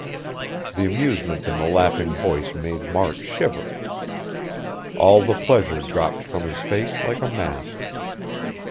The amusement in the laughing voice made Mark shiver. All the pleasure dropped from his face like a mask.